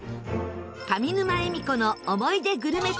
上沼恵美子の思い出グルメ旅